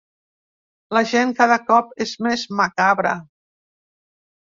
La gent cada cop és més macabra.